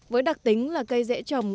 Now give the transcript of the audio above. với đặc tính là cây dễ trồng